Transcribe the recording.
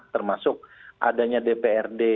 termasuk adanya dprd